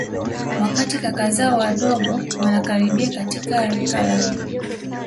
wakati kaka zao wadogo wanakaribia katika rika lao